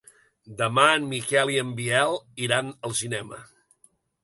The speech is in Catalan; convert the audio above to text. Demà en Miquel i en Biel iran al cinema.